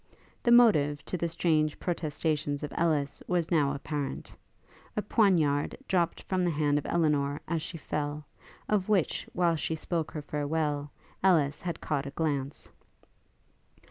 The motive to the strange protestations of Ellis was now apparent: a poniard dropt from the hand of Elinor as she fell, of which, while she spoke her farewell, Ellis had caught a glance.